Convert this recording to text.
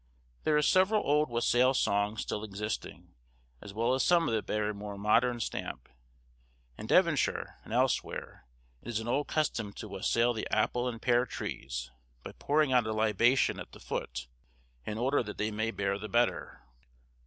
There are several old wassail songs still existing, as well as some that bear a more modern stamp. In Devonshire, and elsewhere, it is an old custom to wassail the apple and pear trees, by pouring out a libation at the foot, in order that they may bear the better.